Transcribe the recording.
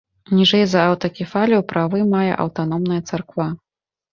Ніжэй за аўтакефалію правы мае аўтаномная царква.